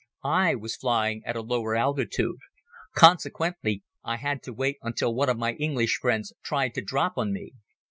I was flying at a lower altitude. Consequently I had to wait until one of my English friends tried to drop on me.